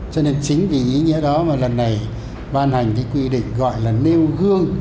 cho nên chính vì ý nghĩa đó mà lần này ban hành cái quy định gọi là nêu gương